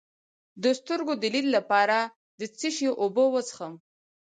د سترګو د لید لپاره د څه شي اوبه وڅښم؟